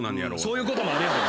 そういうこともあるやろ。